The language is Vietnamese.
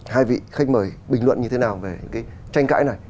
hai vị khách mời bình luận như thế nào về cái tranh cãi này